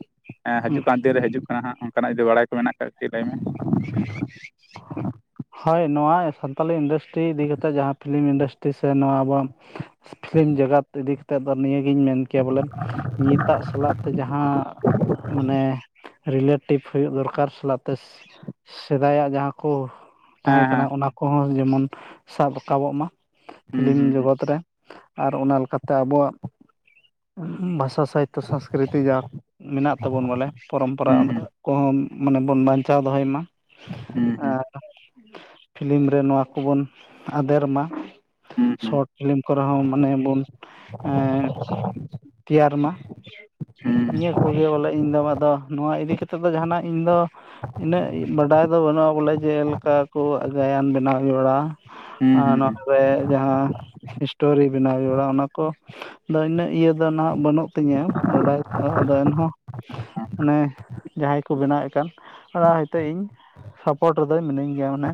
ᱦᱤᱡᱩᱜ ᱠᱟᱱ ᱫᱤᱱ ᱨᱮ ᱦᱤᱡᱩᱜ ᱠᱟᱱᱟ ᱦᱟᱸᱜ, ᱚᱱᱠᱟᱱᱟᱜ ᱡᱩᱫᱤ ᱵᱟᱲᱟᱭ ᱠᱚ ᱢᱮᱱᱟᱜ ᱠᱟᱜ ᱞᱟᱹᱭ ᱢᱮ᱾ ᱦᱳᱭ ᱱᱚᱣᱟ ᱥᱟᱱᱛᱟᱞᱤ ᱤᱱᱰᱟᱥᱴᱨᱤ ᱤᱫᱤ ᱠᱟᱛᱮ ᱡᱟᱦᱟᱸ ᱯᱷᱤᱞᱤᱢ ᱤᱱᱰᱟᱥᱴᱨᱤ ᱥᱮ ᱱᱚᱣᱟ ᱟᱵᱚᱣᱟᱝ ᱯᱷᱤᱞᱤᱢ ᱡᱮᱜᱟᱛ ᱤᱫᱤ ᱠᱟᱛᱮᱫ ᱫᱚ ᱱᱤᱭᱟᱹᱜᱮᱧ ᱢᱮᱱ ᱢᱮᱱ ᱠᱮᱭᱟ ᱵᱚᱞᱮ ᱱᱤᱛᱟᱜ ᱥᱟᱞᱟᱜ ᱛᱮ ᱡᱟᱦᱟᱸ ᱢᱟᱱᱮ ᱨᱤᱞᱮᱴᱤᱵᱷ ᱦᱩᱭᱩᱜ ᱫᱚᱨᱠᱟᱨ ᱥᱟᱞᱟᱜ ᱛᱮ ᱥᱮᱫᱟᱭᱟᱜ ᱡᱟᱦᱟᱸ ᱠᱚ ᱦᱮᱸ ᱛᱟᱦᱮᱸ ᱠᱟᱱᱟ ᱦᱮᱸ ᱚᱱᱟ ᱠᱚᱦᱚᱸ ᱡᱮᱢᱚᱱ ᱥᱟᱵ ᱨᱟᱠᱟᱵᱚᱜ ᱢᱟ᱾ ᱦᱩᱸ ᱯᱷᱤᱞᱤᱢ ᱦᱩᱸ ᱡᱚᱜᱚᱛ ᱨᱮ ᱟᱨ ᱚᱱᱟ ᱞᱮᱠᱟᱛᱮ ᱟᱵᱚᱣᱟᱜ ᱵᱷᱟᱥᱟ ᱥᱟᱭᱤᱛ ᱛᱚ ᱥᱚᱝᱥᱠᱨᱤᱛᱤ ᱡᱟ ᱢᱮᱱᱟᱜ ᱛᱟᱵᱚᱱ ᱵᱚᱞᱮ ᱯᱚᱨᱚᱢᱯᱚᱨᱟᱹ᱾ ᱦᱩᱸ ᱠᱚᱦᱚᱸ ᱢᱟᱱᱮ ᱵᱚᱱ ᱵᱟᱧᱪᱟᱣ ᱫᱚᱦᱚᱭ ᱢᱟ᱾ ᱦᱩᱸ ᱦᱩᱸ ᱟᱨ ᱯᱷᱤᱞᱤᱢ ᱨᱮ ᱱᱚᱣᱟ ᱠᱚᱵᱚᱱ ᱟᱫᱮᱨ ᱢᱟ᱾ ᱦᱩᱸ ᱦᱩᱸ ᱦᱩᱸ ᱥᱚᱨᱚᱴ ᱯᱷᱤᱞᱤᱢ ᱠᱚᱨᱮ ᱦᱚᱸ ᱢᱟᱱᱮ ᱵᱚᱱ ᱮ ᱛᱮᱭᱟᱨ ᱢᱟ᱾ ᱦᱩᱸ ᱦᱩᱸ ᱦᱩᱸ ᱦᱩᱸ ᱱᱤᱭᱟᱹ ᱠᱚᱜᱮ ᱵᱚᱞᱮ ᱤᱧ ᱫᱚ ᱟᱫᱚ ᱱᱚᱣᱟ ᱤᱫᱤ ᱠᱟᱛᱮᱫ ᱫᱚ ᱡᱟᱦᱟᱱᱟᱜ ᱤᱧ ᱫᱚ ᱤᱱᱟᱹᱜ ᱵᱟᱰᱟᱭ ᱫᱚ ᱵᱟᱹᱱᱩᱜᱼᱟ ᱵᱚᱞᱮ ᱡᱮᱞᱮᱠᱟ ᱠᱚ ᱜᱟᱭᱟᱱ ᱵᱮᱱᱟᱣ ᱦᱩᱭ ᱵᱟᱲᱟ ᱟ, ᱦᱩᱸ ᱦᱩᱸ ᱱᱚᱣᱟ ᱦᱩᱸ ᱨᱮ ᱡᱟᱦᱟᱸ ᱥᱴᱳᱨᱤ ᱵᱮᱱᱟᱣ ᱦᱩᱭᱩᱵᱟᱲᱟ ᱟ ᱚᱱᱟ ᱠᱚ ᱟᱫᱚ ᱤᱱᱟᱹᱜ ᱤᱭᱟᱹ ᱫᱚ ᱱᱟᱜ ᱵᱟᱹᱱᱩᱜ ᱛᱤᱧᱟᱹ ᱵᱟᱰᱟᱭ ᱛᱮ ᱟᱫᱚ ᱮᱱᱦᱚᱸ ᱦᱩᱸ ᱢᱟᱱᱮ ᱡᱟᱦᱟᱸᱭ ᱠᱚ ᱵᱮᱱᱟᱣᱮᱫ ᱠᱟᱱ ᱚᱱᱟᱭ ᱛᱮ ᱤᱧ ᱥᱟᱯᱚᱴ ᱨᱮᱫᱚ ᱢᱤᱱᱟᱹᱧ ᱜᱮᱭᱟ, ᱢᱟᱱᱮ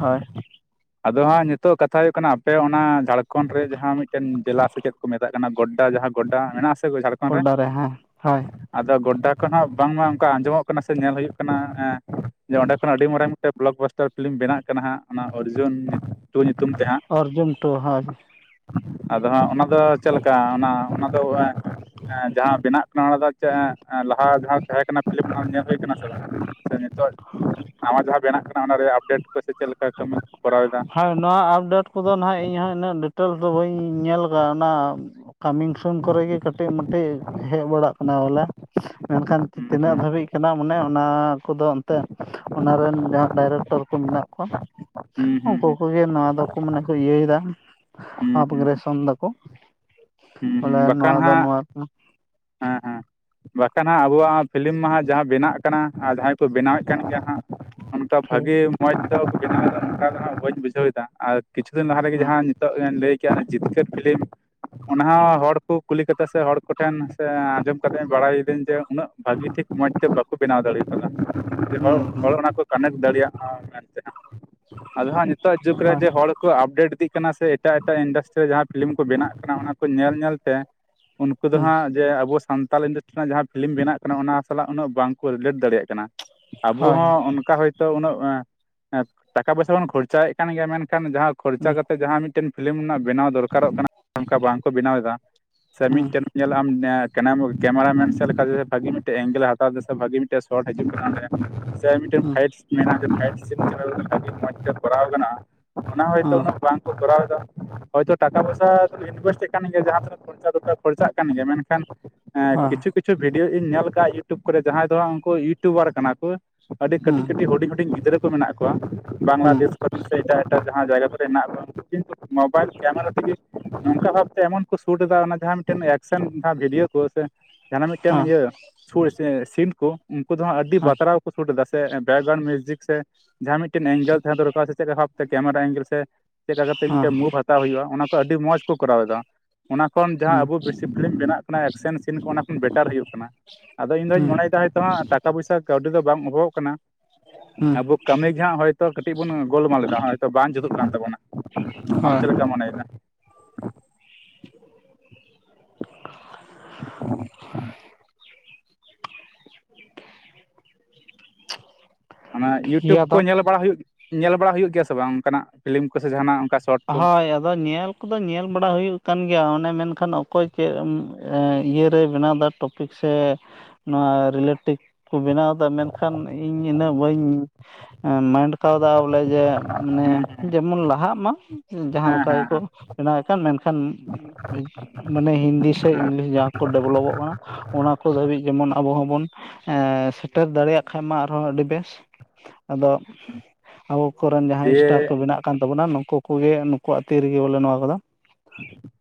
ᱦᱳᱭ ᱟᱫᱚ ᱦᱟᱸᱜ ᱱᱤᱛᱚᱜ ᱠᱟᱛᱷᱟ ᱦᱩᱭᱩᱜ ᱠᱟᱱᱟ ᱟᱯᱮ ᱚᱱᱟ ᱡᱷᱟᱲᱠᱷᱚᱸᱰ ᱨᱮ ᱡᱟᱦᱟᱸ ᱢᱤᱫ ᱴᱮᱱ ᱡᱮᱞᱟ ᱥᱮ ᱪᱮᱫ ᱢᱮᱛᱟᱜ ᱠᱟᱱᱟ ᱜᱚᱰᱟ ᱡᱟᱦᱟᱸ ᱜᱚᱰᱰᱟ ᱢᱮᱱᱟᱜ ᱥᱮ ᱡᱷᱟᱲ ᱜᱚᱰᱰᱟ ᱨᱮ ᱦᱮᱸ ᱦᱳᱭ᱾ ᱟᱫᱚ ᱜᱚᱰᱰᱟ ᱠᱷᱚᱱ ᱦᱚᱸ ᱵᱟᱝ ᱢᱟ ᱚᱱᱠᱟ ᱟᱸᱡᱚᱢᱚᱜ ᱠᱟᱱᱟ ᱥᱮ ᱧᱮᱞ ᱦᱩᱭᱩᱜ ᱠᱟᱱᱟ, ᱦᱮᱸ ᱡᱮ ᱚᱸᱰᱮ ᱠᱷᱚᱱ ᱟᱹᱰᱤ ᱢᱟᱨᱟᱝ ᱢᱤᱫᱴᱮᱱ ᱵᱞᱚᱠ ᱵᱟᱥᱴᱟᱨ ᱯᱷᱤᱞᱤᱢ ᱵᱮᱱᱟᱜ ᱠᱟᱱᱟ ᱦᱟᱸᱜ ᱚᱱᱟ ᱚᱨᱡᱚᱩᱱ ᱴᱩ ᱧᱩᱛᱩᱢ ᱛᱮ ᱦᱟᱸᱜ᱾ ᱚᱨᱡᱩᱱ ᱴᱩ ᱦᱟ ᱟᱫᱚ ᱦᱟᱸᱜ ᱚᱱᱟ ᱫᱚ ᱪᱮᱫ ᱞᱮᱠᱟ ᱚᱱᱟ ᱚᱱᱟ ᱫᱚ ᱡᱟᱦᱟᱸ ᱵᱮᱱᱟᱜ ᱠᱟᱱᱟ ᱚᱱᱟ ᱫᱚ ᱪᱮᱫ ᱞᱟᱦᱟ ᱡᱟᱦᱟᱸ ᱛᱟᱦᱮᱸ ᱠᱟᱱᱟ ᱯᱷᱤᱞᱤᱢ ᱚᱱᱟ ᱧᱮᱞ ᱦᱩᱭ ᱠᱟᱱᱟ ᱥᱮ ᱵᱟᱝ? ᱥᱮ ᱱᱤᱛᱚᱜ ᱱᱟᱣᱟ ᱡᱟᱦᱟᱸ ᱵᱮᱱᱟᱜ ᱠᱟᱱᱟ ᱚᱱᱟ ᱨᱮ ᱟᱯᱰᱮᱴ ᱠᱚ ᱪᱮᱫ ᱞᱮᱠᱟ ᱠᱟᱹᱢᱤ ᱠᱚ ᱠᱚᱨᱟᱣᱮ ᱫᱟ᱾ ᱦᱳᱭ ᱱᱚᱣᱟ ᱟᱯᱰᱮᱴ ᱠᱚᱫᱚ ᱱᱟᱦᱟᱜ ᱤᱧ ᱦᱚ ᱩᱱᱟᱹᱜ ᱰᱤᱴᱮᱞᱥ ᱫᱚ ᱵᱟᱹᱧ ᱧᱮᱞ ᱟᱠᱟᱣᱱᱟ᱾ ᱠᱟᱹᱢᱤ ᱥᱩᱱ ᱠᱚᱨᱮ ᱜᱮ ᱠᱟᱹᱴᱤᱡ ᱢᱟᱴᱤᱡ ᱦᱮᱡ ᱵᱟᱲᱟᱜ ᱠᱟᱱᱟ ᱵᱚᱞᱮ᱾ ᱢᱮᱱᱠᱷᱟᱱ ᱦᱩᱸ ᱛᱤᱱᱟᱹᱜ ᱫᱷᱟᱹᱵᱤᱡ ᱠᱟᱱᱟ ᱢᱚᱱᱮ ᱚᱱᱟ ᱠᱚᱫᱚ ᱚᱱᱛᱮ ᱚᱱᱟ ᱨᱮᱱ ᱡᱟᱦᱟᱸᱭ ᱰᱟᱭᱨᱮᱠᱴᱚᱨ ᱠᱚ ᱢᱮᱱᱟᱜ ᱠᱚᱣᱟ ᱦᱩᱸ ᱦᱩᱸ ᱩᱱᱠᱩ ᱦᱩᱸ ᱠᱚᱜᱮ ᱱᱚᱣᱟ ᱫᱚᱠᱚ ᱢᱟᱱᱮ ᱠᱚ ᱤᱭᱟᱹᱭᱮᱫᱟ ᱾ ᱦᱩᱸ ᱦᱩᱸ ᱟᱵᱜᱨᱮᱥᱚᱱ ᱫᱟᱠᱚ᱾ ᱦᱩᱸ ᱵᱚᱞᱮ ᱵᱟᱠᱷᱟᱱ ᱱᱚᱣᱟ ᱫᱚ ᱦᱟᱸᱜ ᱱᱚᱣᱟ ᱦᱮᱸ ᱦᱮᱸ, ᱵᱟᱠᱷᱟᱱ ᱦᱟᱸᱜ ᱟᱵᱚᱣᱟᱜ ᱯᱷᱤᱞᱤᱢ ᱢᱟ ᱦᱟᱸᱜ ᱡᱟᱦᱟᱸ ᱵᱮᱱᱟᱜ ᱠᱟᱱᱟ ᱟᱨ ᱡᱟᱦᱟᱸᱭ ᱠᱚ ᱵᱮᱱᱟᱣᱮᱫ ᱠᱟᱱ ᱜᱮᱭᱟ ᱦᱟᱸᱜ, ᱚᱱᱠᱟ ᱴᱷᱤᱠ ᱵᱷᱟᱜᱤ ᱢᱚᱸᱡᱽ ᱫᱚ *unintelligible* ᱚᱱᱠᱟ ᱫᱚ ᱦᱟᱜ ᱵᱟᱹᱧ ᱵᱩᱡᱷᱟᱹᱣ ᱮᱫᱟ ᱟᱨ ᱠᱤᱪᱷᱩ ᱫᱤᱱ ᱞᱟᱦᱟ ᱨᱮᱜᱮ ᱦᱮᱸ ᱡᱟᱦᱟᱸ ᱱᱤᱛᱚᱜ ᱞᱟᱹᱭ ᱠᱮᱫᱮᱜᱼᱟ ᱡᱤᱛᱠᱟᱹᱨ ᱯᱷᱤᱞᱤᱢ ᱚᱱᱟ ᱦᱚᱸ ᱦᱚᱲ ᱠᱚ ᱠᱩᱞᱤ ᱠᱟᱛᱮᱜ ᱥᱮ ᱦᱚᱲ ᱠᱚᱴᱷᱮᱱ ᱥᱮ ᱟᱸᱡᱚᱢ ᱠᱟᱛᱮ ᱵᱟᱲᱟᱭᱤᱫᱟᱹᱧ ᱡᱮ ᱩᱱᱟᱹᱜ ᱵᱷᱟᱜᱤ ᱴᱷᱤᱠ ᱢᱚᱸᱡᱽ ᱛᱮ ᱵᱟᱠᱚ ᱵᱮᱱᱟᱣ ᱫᱟᱲᱮ ᱠᱟᱣᱫᱟ᱾ ᱦᱮᱸ ᱦᱮᱸ ᱦᱚᱲ ᱚᱱᱟ ᱠᱚ ᱠᱟᱱᱮᱠᱴ ᱫᱟᱲᱮᱭᱟᱜᱼᱟ ᱢᱮᱱᱛᱮ ᱱᱟᱸᱜ ᱟᱫᱚ ᱦᱟᱸᱜ ᱱᱤᱛᱟᱜ ᱡᱩᱜᱽ ᱨᱮ ᱦᱳᱭ ᱡᱮ ᱦᱚᱲ ᱠᱚ ᱟᱯᱰᱮᱴ ᱤᱫᱤᱜ ᱠᱟᱱᱟ ᱥᱮ ᱮᱴᱟᱜ ᱮᱴᱟᱜ ᱤᱱᱰᱟᱥᱴᱨᱤ ᱨᱮ ᱡᱟᱦᱟᱸ ᱯᱷᱤᱞᱤᱢ ᱠᱚ ᱵᱮᱱᱟᱜ ᱚᱱᱟ ᱠᱚ ᱧᱮᱞ ᱧᱮᱞᱛᱮ ᱩᱱᱠᱩ ᱫᱚ ᱦᱮᱸ ᱦᱟᱸᱜ ᱡᱮ ᱟᱵᱚ ᱥᱟᱱᱛᱟᱞ ᱤᱱᱰᱟᱥᱴᱨᱤ ᱨᱮᱱᱟᱜ ᱡᱟᱦᱟᱸ ᱯᱷᱤᱞᱤᱢ ᱵᱮᱱᱟᱜ ᱠᱟᱱᱟ ᱚᱱᱟ ᱥᱟᱞᱟᱜ ᱩᱱᱟᱹᱜ ᱵᱟᱝᱠᱚ ᱨᱤᱞᱮᱴ ᱫᱟᱲᱮᱭᱟᱜ ᱠᱟᱱᱟ ᱟᱵᱚ ᱦᱳᱭ ᱦᱚᱸ ᱚᱱᱠᱟ ᱦᱚᱭᱛᱳ ᱩᱱᱟᱹᱜ ᱴᱟᱠᱟ ᱯᱚᱭᱥᱟ ᱵᱚᱱ ᱠᱷᱚᱨᱪᱟᱭᱮᱫ ᱠᱟᱱ ᱜᱮᱭᱟ ᱢᱮᱱᱠᱷᱟᱱ ᱡᱟᱦᱟᱸ ᱠᱷᱚᱨᱪᱟ ᱦᱮᱸ ᱠᱟᱛᱮ ᱡᱟᱦᱟᱸ ᱢᱤᱫᱴᱮᱱ ᱯᱷᱤᱞᱤᱢ ᱨᱮᱱᱟᱜ ᱵᱮᱱᱟᱣ ᱫᱚᱨᱠᱟᱨᱚᱜ ᱠᱟᱱᱟ ᱚᱱᱠᱟ ᱵᱟᱝ ᱠᱚ ᱵᱮᱱᱟᱣ ᱮᱫᱟ, ᱥᱮ ᱦᱮᱸ ᱦᱮᱸ ᱢᱤᱫᱴᱮᱱ ᱧᱮᱞ ᱟᱢ ᱠᱮᱢᱮᱨᱟ ᱢᱮᱱ ᱥᱮᱫ ᱞᱮᱠᱟ ᱵᱷᱟᱜᱤ ᱢᱤᱫᱴᱮᱡ ᱮᱝᱜᱮᱞᱮ ᱦᱟᱛᱟᱣ ᱮᱫᱟ ᱥᱮ ᱵᱷᱟᱜᱤ ᱢᱤᱫᱴᱮᱱ ᱥᱚᱴ ᱦᱤᱡᱩᱜ ᱠᱟᱱᱟ ᱚᱸᱰᱮ ᱥᱮ ᱢᱤᱫᱴᱮᱱ ᱦᱮᱸ ᱯᱷᱟᱭᱤᱴᱥ ᱢᱮᱱᱟᱜᱼᱟ ᱯᱷᱟᱭᱤᱴ ᱪᱟᱞᱟᱣ ᱠᱚᱨᱟᱣ ᱠᱟᱱᱟ ᱚᱱᱟ ᱦᱚᱭᱛᱳ ᱦᱳᱭ ᱩᱱᱟᱹᱜ ᱵᱟᱝᱠᱚ ᱠᱚᱨᱟᱣ ᱮᱫᱟ ᱦᱚᱭᱛᱳ ᱴᱟᱠᱟ- ᱯᱚᱭᱥᱟᱹ ᱤᱱᱣᱮᱥᱴ ᱠᱟᱱ ᱜᱮᱭᱟ ᱡᱟᱦᱟᱸ ᱠᱷᱚᱨᱪᱟ-ᱠᱷᱚᱨᱪᱟᱜ ᱠᱟᱱ ᱜᱮᱭᱟ ᱢᱮᱱᱠᱷᱟᱱ ᱦᱮᱸ ᱠᱩᱪᱷᱩ-ᱠᱤᱪᱷᱩ ᱠᱤᱪᱷᱩ ᱵᱷᱤᱰᱭᱳ ᱤᱧ ᱧᱮᱞ ᱠᱟᱜᱼᱟ ᱤᱭᱩᱴᱩᱵ ᱠᱚᱨᱮ ᱡᱟᱦᱟᱸᱭ ᱫᱚ ᱩᱱᱠᱩ ᱤᱭᱩᱴᱩᱵᱟᱨ ᱠᱟᱱᱟ ᱠᱚ ᱟᱹᱰᱤ ᱦᱮᱸ ᱠᱟᱹᱴᱤᱡ-ᱠᱟᱹᱴᱤᱡ ᱦᱩᱰᱤᱧ- ᱦᱩᱰᱤᱧ ᱜᱤᱫᱽᱨᱟᱹ ᱠᱚ ᱢᱮᱱᱟᱜ ᱠᱚᱣᱟ ᱦᱮᱸ ᱦᱮᱸ ᱦᱮᱸ ᱵᱟᱝᱞᱟᱫᱮᱥ ᱥᱮ ᱮᱴᱟᱜ-ᱮᱴᱟᱜ ᱡᱟᱦᱟᱸ ᱡᱟᱭᱜᱟ ᱠᱚᱨᱮ ᱦᱮᱱᱟᱜ ᱠᱤᱱᱛᱩ ᱢᱳᱵᱟᱭᱤᱞ ᱠᱮᱢᱮᱨᱟ ᱛᱮᱜᱮ ᱱᱚᱝᱠᱟ ᱵᱷᱟᱵᱽᱛᱮ ᱮᱢᱚᱱ ᱠᱚ ᱥᱩᱴ ᱮᱫᱟ ᱚᱱᱟ ᱡᱟᱦᱟᱸ ᱢᱤᱫᱴᱮᱱ ᱮᱠᱥᱮᱱ ᱡᱟᱦᱟᱸ ᱵᱷᱤᱰᱤᱭᱳ ᱠᱚ ᱥᱮ ᱡᱟᱦᱟᱸᱱᱟᱜ ᱢᱤᱫᱴᱮᱱ ᱤᱭᱟᱹ ᱥᱩᱨ ᱥᱮ ᱥᱤᱱ ᱠᱚ ᱩᱱᱠᱩ ᱫᱚ ᱦᱟᱸᱜ ᱟᱹᱰᱤ ᱵᱟᱛᱨᱟᱣ ᱠᱚ ᱥᱩᱴ ᱮᱫᱟ ᱥᱮ ᱵᱮᱠ ᱜᱨᱟᱣᱩᱱ ᱢᱤᱭᱩᱡᱤᱠ ᱥᱮ ᱡᱟᱦᱟᱸ ᱢᱤᱫᱴᱮᱱ ᱮᱝᱜᱮᱞ ᱛᱟᱦᱮᱸ ᱫᱚᱨᱠᱟᱨᱼᱟ ᱥᱮ ᱪᱮᱫ ᱵᱷᱟᱵᱛᱮ ᱠᱮᱢᱮᱨᱟ ᱮᱝᱜᱮᱞ ᱥᱮ ᱪᱮᱫ ᱞᱮᱠᱟ ᱠᱟᱛᱮ ᱢᱤᱫᱴᱮᱡ ᱢᱩᱵᱷ ᱦᱟᱛᱟᱣ ᱦᱩᱭᱩᱜᱼᱟ ᱚᱱᱟ ᱠᱚ ᱟᱹᱰᱤ ᱢᱚᱸᱡᱽ ᱠᱚ ᱠᱚᱨᱟᱣ ᱮᱫᱟ ᱚᱱᱟ ᱠᱷᱚᱱ ᱡᱟᱦᱟᱸ ᱦᱮᱸ ᱟᱵᱩ ᱵᱮᱥᱤ ᱵᱮᱱᱟᱜ ᱠᱟᱱᱟ ᱮᱠᱥᱮᱱ ᱥᱤᱱ ᱠᱚ ᱚᱱᱟ ᱠᱷᱚᱱ ᱵᱮᱴᱟᱨ ᱦᱩᱭᱩᱜ ᱠᱟᱱᱟ ᱟᱫᱚ ᱤᱧ ᱫᱚᱧ ᱦᱮᱸ ᱢᱚᱱᱮᱭ ᱮᱫᱟ‌ ᱦᱚᱭᱛᱚ ᱦᱟᱸᱜ ᱴᱟᱠᱟ ᱯᱚᱭᱥᱟ ᱠᱟᱹᱣᱰᱤ ᱫᱚ ᱵᱟᱝ ᱚᱵᱷᱚᱜ ᱠᱟᱱᱟ ᱦᱮᱸ ᱟᱵᱩ ᱠᱟᱹᱢᱤ ᱜᱮ ᱦᱟᱸᱜ ᱦᱚᱭᱛᱚ ᱠᱟᱹᱴᱤᱡ ᱵᱚᱱ ᱜᱚᱞᱢᱟᱞ ᱮᱫᱟ ᱦᱚᱭᱛᱚ ᱵᱟᱝ ᱡᱩᱛᱩᱜ ᱠᱟᱱ ᱛᱟᱵᱚᱱᱟ, ᱟᱢ ᱦᱳᱭ ᱪᱮᱫ ᱞᱮᱠᱟᱢ ᱢᱚᱱᱮᱭᱮᱫᱟ? ᱚᱱᱟ ᱤᱭᱩᱴᱩᱵᱽ ᱤᱭᱟᱹ ᱠᱚ ᱫᱚ ᱧᱮᱞ ᱵᱟᱲᱟ ᱦᱩᱭᱩᱜ ᱧᱮᱞ ᱵᱟᱲᱟ ᱦᱩᱭᱩᱜ ᱜᱮᱭᱟ ᱥᱮ ᱵᱟᱝ ᱚᱱᱠᱟᱱᱟᱜ ᱯᱷᱤᱞᱤᱢ ᱠᱚ ᱥᱮ ᱡᱟᱦᱱᱟᱜ ᱚᱱᱠᱟ? ᱥᱚᱴ ᱠᱚ ᱦᱳᱭ ᱟᱫᱚ ᱧᱮᱞ ᱧᱮᱞ ᱵᱟᱲᱟ ᱦᱩᱭᱩᱜ ᱠᱟᱱ ᱜᱮᱭᱟ ᱚᱱᱮ ᱢᱮᱱᱠᱷᱟᱱ ᱚᱠᱚᱭ ᱪᱮᱫ ᱤᱭᱟᱹᱨᱮᱭ ᱵᱮᱱᱟᱣ ᱮᱫᱟ ᱥᱮ ᱱᱚᱣᱟ ᱨᱤᱞᱮᱴᱤᱠ ᱠᱚ ᱵᱮᱱᱟᱣ ᱢᱮᱱᱠᱷᱟᱱ ᱤᱧ ᱤᱱᱟᱹᱜ ᱵᱟᱹᱧ ᱢᱟᱭᱤᱱᱰ ᱠᱟᱣᱫᱟ ᱵᱚᱞᱮ ᱡᱮ ᱢᱟᱱᱮ ᱦᱮᱸ ᱡᱮᱢᱚᱱ ᱞᱟᱦᱟᱜ ᱢᱟ ᱡᱟᱦᱟᱸ ᱦᱮᱸ ᱞᱮᱠᱟ ᱦᱮᱸ ᱦᱮᱸ ᱜᱮᱠᱚ ᱦᱮᱸ ᱵᱮᱱᱟᱣᱮᱫ ᱠᱟᱱ ᱢᱮᱱᱠᱷᱟᱱ ᱢᱟᱱᱮ ᱦᱤᱱᱫᱤ ᱥᱮ ᱤᱝᱞᱤᱥ ᱡᱟᱦᱟᱸ ᱠᱚ ᱰᱮᱵᱷᱞᱚᱯᱚᱜ ᱠᱟᱱᱟ ᱚᱱᱟ ᱠᱚ ᱫᱷᱟᱹᱵᱤᱡ ᱡᱮᱢᱚᱱ ᱟᱵᱚ ᱦᱚᱸᱵᱚᱱ ᱮ ᱥᱮᱴᱮᱨ ᱫᱟᱲᱮᱭᱟᱜ ᱠᱷᱟᱱ ᱢᱟ ᱟᱨᱦᱚᱸ ᱟᱹᱰᱤ ᱵᱮᱥ ᱟᱫᱚ ᱟᱵᱚ ᱠᱚᱨᱮᱱ ᱡᱟᱦᱟᱸᱭ ᱥᱴᱟᱨ ᱠᱚ ᱫᱤᱭᱮ ᱵᱮᱱᱟᱜ ᱠᱟᱱ ᱛᱟᱵᱚᱱᱟ ᱱᱩᱠᱩᱣᱟᱜ ᱛᱤ ᱨᱤᱜᱤ ᱵᱚᱞᱮ ᱱᱚᱣᱟ ᱠᱚᱫᱚ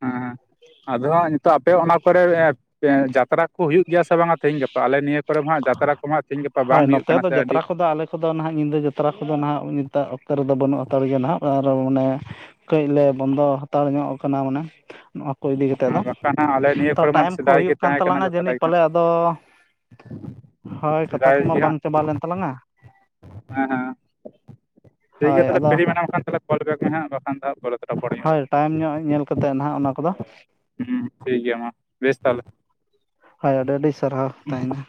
ᱦᱮᱸ ᱟᱫᱚ ᱦᱟᱸᱜ ᱱᱤᱛᱚᱜ ᱟᱯᱮ ᱚᱱᱟ ᱠᱚᱨᱮ ᱡᱟᱛᱨᱟ ᱠᱚ ᱦᱩᱭᱩᱜ ᱜᱮᱭᱟ ᱥᱮ ᱵᱟᱝ ᱛᱮᱦᱤᱧ ᱜᱟᱯᱟ ᱟᱞᱮ ᱱᱤᱭᱟᱹ ᱠᱚᱨᱮ ᱦᱟᱸᱜ ᱡᱟᱛᱨᱟ ᱠᱚ ᱦᱟᱸᱜ ᱛᱤᱦᱤᱧ ᱦᱚᱭ ᱱᱚᱛᱮ ᱫᱚ ᱡᱟᱛᱨᱟ ᱠᱚᱫᱚ ᱟᱞᱮ ᱠᱚᱫᱚ ᱱᱟᱦᱟᱜ ᱧᱤᱫᱟᱹ ᱡᱟᱛᱨᱟ ᱠᱚᱫᱚ ᱱᱟᱦᱟᱜ ᱱᱤᱛᱟᱜ ᱚᱠᱛᱚ ᱨᱮᱫᱚ ᱵᱟᱹᱱᱩᱜ ᱦᱟᱛᱟᱲ ᱜᱮ ᱱᱟᱦᱟᱜ ᱟᱨ ᱚᱱᱮ ᱠᱟᱹᱡ ᱞᱮ ᱵᱚᱱᱫᱚ ᱦᱟᱛᱟᱲ ᱧᱚᱜ ᱠᱟᱱᱟ ᱢᱟᱱᱮ ᱱᱚᱣᱟ ᱠᱚ ᱤᱫᱤ ᱠᱟᱛᱮ ᱫᱚ, ᱵᱟᱠᱷᱟᱱ ᱦᱟᱸᱜ ᱟᱞᱮ ᱱᱤᱭᱟᱹ ᱛᱚ ᱠᱚᱨᱮ ᱢᱟ ᱟᱹᱰᱤ ᱴᱟᱭᱤᱢ ᱠᱚ ᱥᱮᱫᱟᱭ ᱜᱮ ᱦᱩᱭᱩᱜ ᱠᱟᱱ ᱛᱟᱦᱮᱸ ᱠᱟᱱᱟ ᱛᱟᱞᱟᱝᱟ ᱡᱟᱛᱨᱟ ᱡᱟᱹᱱᱤᱡ ᱜᱮ ᱯᱟᱞᱮ ᱦᱟᱸᱜ ᱟᱫᱚ ᱦᱚᱭ ᱦᱮᱸ ᱴᱷᱤᱠ ᱜᱮᱭᱟ ᱦᱳᱭ ᱛᱟᱦᱚᱞᱮ ᱯᱷᱤᱨᱤ ᱟᱫᱚ ᱢᱮᱱᱟᱢ ᱠᱷᱟᱱ ᱛᱟᱦᱚᱞᱮ ᱠᱚᱞ ᱵᱮᱠ ᱢᱮ ᱦᱟᱸᱜ ᱵᱟᱠᱷᱟᱱ ᱫᱚ ᱦᱟᱸᱜ ᱯᱚᱨᱮᱛᱮ ᱨᱚᱯᱚᱲ ᱦᱩᱭᱩᱜᱼᱟ᱾ ᱦᱳᱭ ᱴᱟᱭᱤᱢ ᱧᱚᱜ ᱧᱮᱞ ᱠᱟᱛᱮᱫ ᱱᱟᱦᱟᱜ ᱚᱱᱟ ᱠᱚᱫᱚ ᱦᱩᱸ ᱴᱷᱤᱠ ᱜᱮᱭᱟ ᱢᱟ ᱵᱮᱥ ᱛᱟᱦᱞᱮ ᱦᱚᱭ ᱟᱹᱰᱤ-ᱟᱹᱰᱤ ᱥᱟᱨᱦᱟᱣ ᱛᱟᱦᱮᱱᱟ